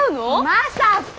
まさか。